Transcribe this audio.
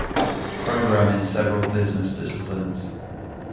Program in several business disciplines.